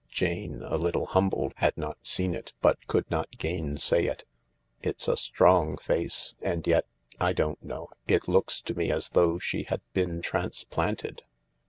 Jane, a little humbled, had not seen it, but could not gainsay it. *' It's a strong face, and yet— I don't know. It looks to me as though she had been transplanted."